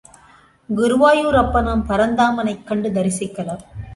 குருவாயூரப்பனாம் பரந்தாமனைக் கண்டு தரிசிக்கலாம்.